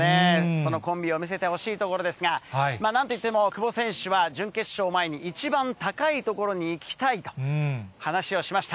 そのコンビを見せてほしいところですが、なんといっても久保選手は準決勝前に、一番高い所に行きたいと話をしました。